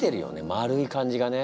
丸い感じがね。